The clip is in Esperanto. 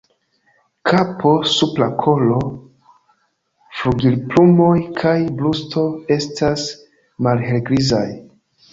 Kapo, supra kolo, flugilplumoj kaj brusto estas malhelgrizaj.